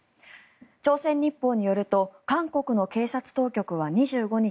朝鮮日報によると韓国の警察当局は２５日